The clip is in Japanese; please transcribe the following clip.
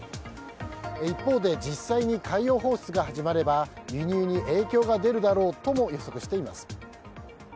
一方で実際に海洋放出が始まれば輸入に影響が出るだろうとも予測しています。